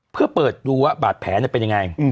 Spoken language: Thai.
เพื่อเปิดดูว่าบาดแผลเป็นยังไง